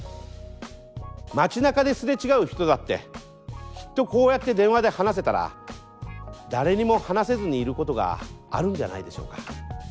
街なかですれ違う人だってきっとこうやって電話で話せたら誰にも話せずにいることがあるんじゃないでしょうか。